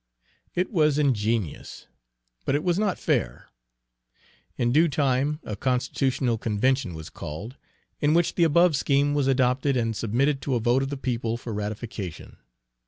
It was ingenious, but it was not fair. In due time a constitutional convention was called, in which the above scheme was adopted and submitted to a vote of the people for ratification.